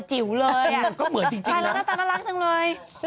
ไปแล้วนะตัวน่ารักจังเลย